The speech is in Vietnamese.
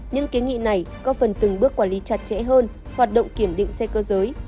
những kiến nghị này có phần từng bước quản lý chặt chẽ hơn hoạt động kiểm định xe cơ giới